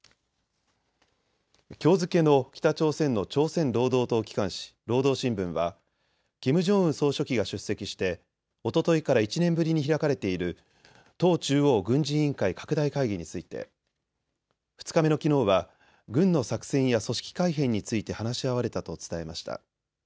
きょう付けの北朝鮮の朝鮮労働党機関紙、労働新聞はキム・ジョンウン総書記が出席しておとといから１年ぶりに開かれている党中央軍事委員会拡大会議について２日目のきのうは軍の作戦や組織改編について話し合われたと伝えました。